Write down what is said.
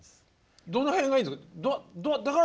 どの辺がいいんですか？